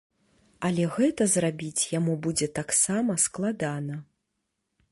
Але гэта зрабіць яму будзе таксама складана.